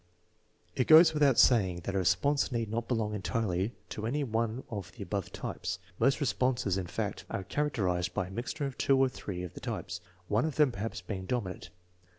It goes without saying that a response need not belong entirely to any one of the above types. Most responses, in fact, are characterized by a mixture of two or three of the types, one of them perhaps being dominant.